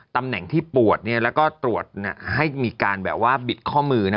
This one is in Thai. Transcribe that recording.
ตำแหน่งที่ปวดเนี่ยแล้วก็ตรวจให้มีการแบบว่าบิดข้อมือนะ